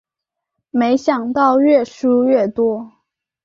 没想到越输越多